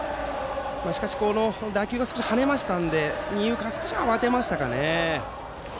しかし、打球が少し跳ねましたので二遊間は少し慌てましたかね。